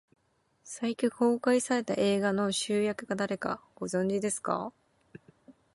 最近公開された映画の主役が誰か、ご存じですか。